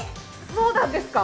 そうなんですか。